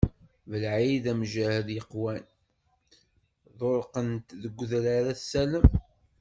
Belɛid amjahed yeqwan, Ḍurqen-t deg udrar At Sellam.